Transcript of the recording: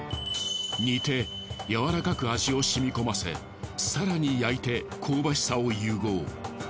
煮てやわらかく味をしみ込ませ更に焼いて香ばしさを融合。